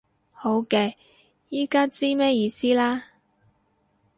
好嘅，依家知咩意思啦